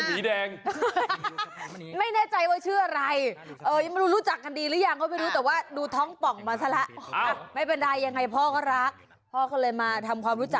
กำลังจะหาลูกสภัยให้พ่อจ้า